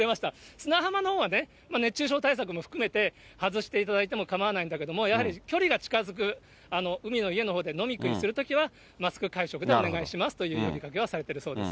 砂浜のほうはね、熱中症対策も含めて、外していただいてもかまわないんだけれども、やはり距離が近づく海の家のほうで飲み食いするときは、マスク会食でお願いしますという呼びかけはされているそうです。